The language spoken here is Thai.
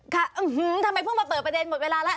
ค่ะอื้อหือทำไมเพิ่งมาเปิดประเด็นหมดเวลาแล้ว